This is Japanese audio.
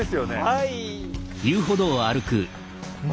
はい。